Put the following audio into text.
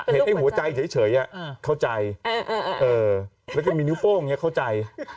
เห็นไอ้หัวใจเฉยเข้าใจแล้วก็มีนิ้วโป้งอย่างนี้เข้าใจ